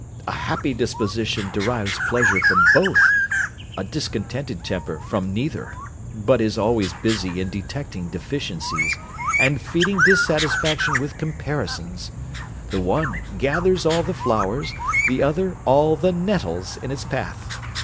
A happy disposition derives pleasure from both, a discontented temper from neither, but is always busy in detecting deficiencies, and feeding dissatisfaction with comparisons. The one gathers all the flowers, the other all the nettles, in its path.